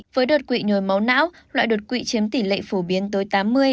với đột quỵ nhồi máu não loại đột quỵ chiếm tỷ lệ phổ biến tới tám mươi tám mươi năm